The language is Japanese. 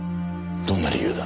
どんな理由だ？